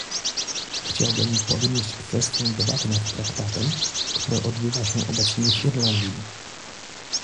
Chciałbym podnieść kwestię debaty nad Traktatem, która odbywa się obecnie w Irlandii